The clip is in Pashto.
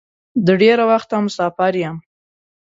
د ډېره وخته مسافر یم.